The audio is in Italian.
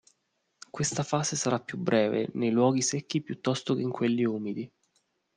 Questa fase sarà più breve nei luoghi secchi piuttosto che in quelli umidi.